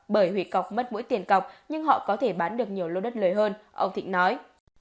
bởi hủy cọc mất mũi tiền cọc nhưng họ có thể bán được nhiều lô đất lời hơn ông thịnh nói